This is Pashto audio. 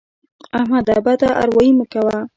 احمده! بد اروايي مه کوه.